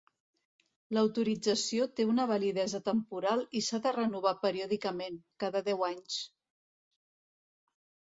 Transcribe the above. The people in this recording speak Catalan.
L'autorització té una validesa temporal i s'ha de renovar periòdicament, cada deu anys.